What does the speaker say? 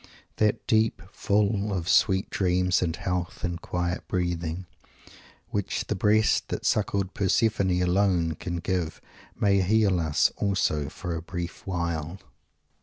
That sleep, "full of sweet dreams and health and quiet breathing," which the breast that suckled Persephone alone can give may heal us also for a brief while.